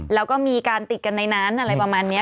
แล้วก็มีการติดกันในนั้นอะไรประมาณนี้